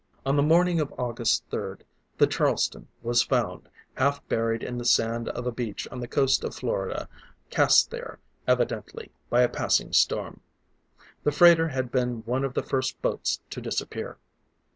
On the morning of August 3rd, the Charleston was found, half buried in the sand of a beach on the coast of Florida, cast there, evidently, by a passing storm. The freighter had been one of the first boats to disappear.